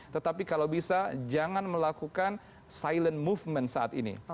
tetapi kalau bisa jangan melakukan silent movement saat ini